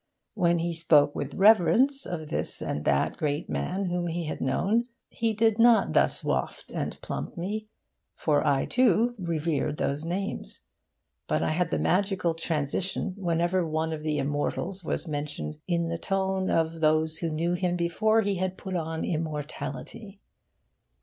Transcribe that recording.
When he spoke with reverence of this and that great man whom he had known, he did not thus waft and plump me; for I, too, revered those names. But I had the magical transition whenever one of the immortals was mentioned in the tone of those who knew him before he had put on immortality.